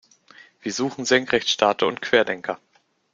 Wir suchen Senkrechtstarter und Querdenker.